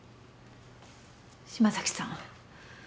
島崎さん